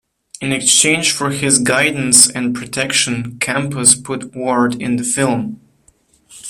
In exchange for his guidance and protection, Campus put Ward in the film.